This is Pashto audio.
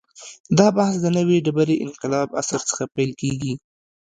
دا بحث د نوې ډبرې انقلاب عصر څخه پیل کېږي.